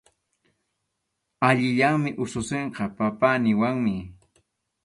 Allillanmi ususinqa “papá” niwanmi.